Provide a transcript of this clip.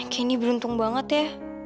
kandi beruntung banget ya